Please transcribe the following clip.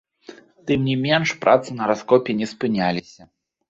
Тым не менш працы на раскопе не спыняліся.